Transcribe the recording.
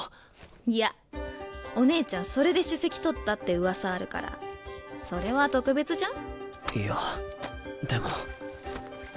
いやお姉ちゃんそれで首席取ったってうわさあるからそれは特別じゃん？